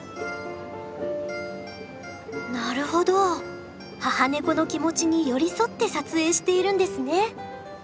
なるほど母ネコの気持ちに寄り添って撮影しているんですね。